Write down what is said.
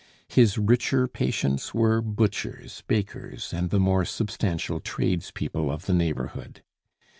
His richer patients were butchers, bakers, and the more substantial tradespeople of the neighborhood.